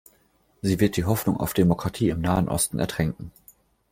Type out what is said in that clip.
Sie wird die Hoffnung auf Demokratie im Nahen Osten ertränken.